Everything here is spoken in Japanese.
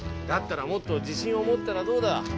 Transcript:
だったらもっと自信を持ったらどうだ？